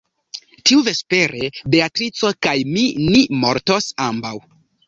Tiuvespere Beatrico kaj mi ni mortos ambaŭ.